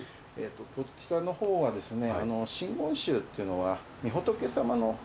こちらの方はですね。